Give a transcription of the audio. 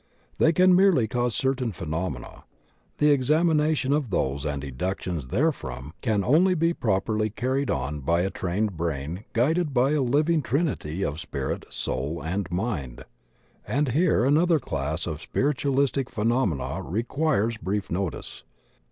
They can merely cause certain phenomena; the examination of those and deductions therefrom can only be properly carried on by a trained brain guided by a living trinity of spirit, soul, and mind. And here another class of spiritualistic phenomena requires brief notice.